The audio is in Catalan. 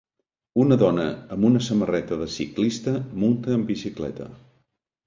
Una dona amb una samarreta de ciclista munta en bicicleta.